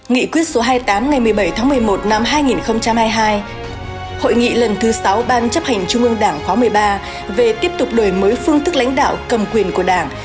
nghị quyết số hai mươi tám ngày một mươi bảy tháng một mươi một năm hai nghìn hai mươi hai hội nghị lần thứ sáu ban chấp hành trung ương đảng khóa một mươi ba về tiếp tục đổi mới phương thức lãnh đạo cầm quyền của đảng